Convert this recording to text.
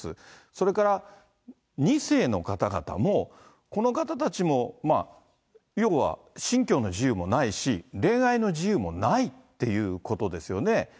それから、２世の方々も、この方たちも、要は信教の自由もないし、恋愛の自由もないってことですよね。